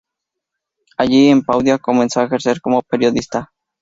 Allí en Padua comenzó a ejercer como periodista.